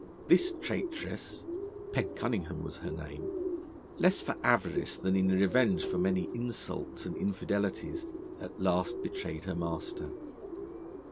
This traitress Peg Cunningham was her name less for avarice than in revenge for many insults and infidelities, at last betrayed her master.